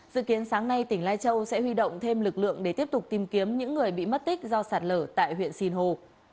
dự kiến sáng nay tỉnh lai châu sẽ huy động thêm lực lượng để tiếp tục tìm kiếm những người bị mất tích do sạt lở tại huyện sinh hồ